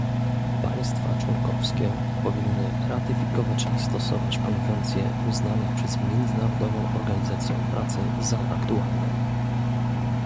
Państwa członkowskie powinny ratyfikować i stosować konwencje uznane przez Międzynarodową Organizację Pracy za aktualne